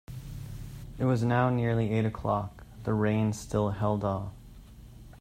It was now nearly eight o'clock; the rain still held off.